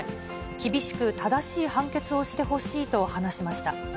厳しく正しい判決をしてほしいと話しました。